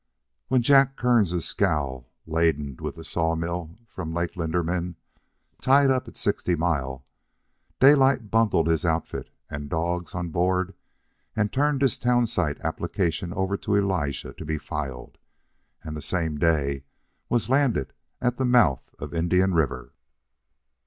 When Jack Kearns' scow, laden with the sawmill from Lake Linderman, tied up at Sixty Mile, Daylight bundled his outfit and dogs on board, turned his town site application over to Elijah to be filed, and the same day was landed at the mouth of Indian River.